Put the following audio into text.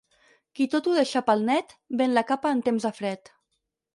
Qui tot ho deixa pel net, ven la capa en temps de fred.